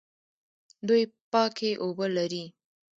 دوی پاکې اوبه لري.